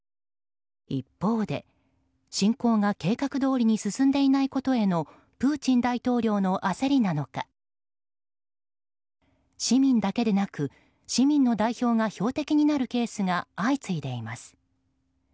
一方で侵攻が計画どおりに進んでいないことへのプーチン大統領の焦りなのか市民だけでなく市民の代表が標的になるケースが相次いでいます。